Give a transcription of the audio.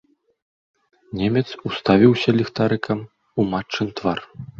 Немец уставіўся ліхтарыкам у матчын твар.